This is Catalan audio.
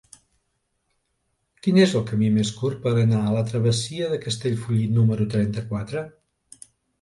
Quin és el camí més curt per anar a la travessia de Castellfollit número trenta-quatre?